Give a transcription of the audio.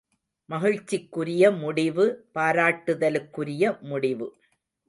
மகிழ்ச்சிக்குரிய முடிவு பாராட்டுதலுக்குரிய முடிவு.